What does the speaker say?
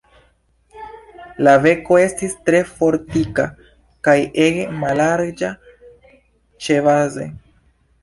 La beko estis tre fortika kaj ege mallarĝa ĉebaze.